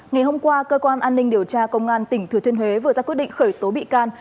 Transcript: ngày hôm qua cơ quan an ninh điều tra công an tỉnh thừa thiên huế vừa ra quyết định khởi tố bị can